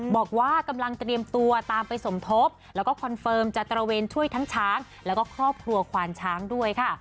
บอกว่ากำลังเตรียมตัวตามไปสมทบแล้วก็คอนเฟิร์มจะตระเวนช่วยทั้งช้างแล้วก็ครอบครัวควานช้างด้วยค่ะ